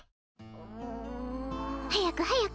うん。早く早く。